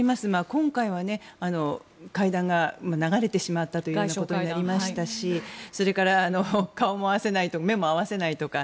今回は会談が流れてしまったということになりましたしそれから顔も合わせない目も合わせないとか